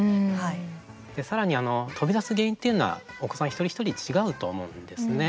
さらに飛び出す原因というのはお子さん一人一人違うと思うんですね。